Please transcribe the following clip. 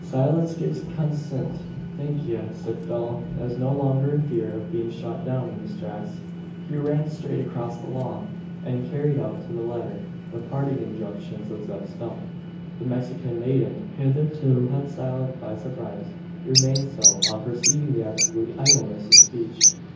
"Silince gives consint. Thank ye," said Phelim, as, no longer in fear of being shot down in his tracks, he ran straight across the lawn, and carried out to the letter, the parting injunctions of Zeb Stump. The Mexican maiden hitherto held silent by surprise, remained so, on perceiving the absolute idleness of speech.